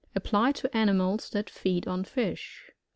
Applied to animals that feed on fish.